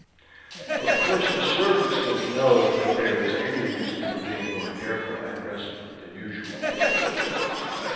Of course the servants don't know that there is any reason for being more careful at present than usual.